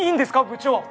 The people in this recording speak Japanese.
部長。